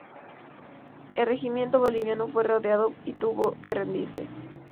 El regimiento boliviano fue rodeado y tuvo que rendirse.